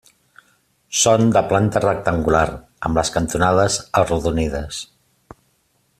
Són de planta rectangular, amb les cantonades arrodonides.